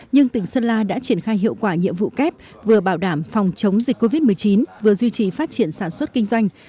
nhưng tỉnh sơn la đã triển khai hiệu quả nhiệm vụ kép vừa bảo đảm phòng chống dịch covid một mươi chín vừa duy trì phát triển sản xuất kinh doanh